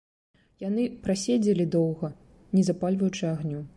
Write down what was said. Яны праседзелі доўга, не запальваючы агню.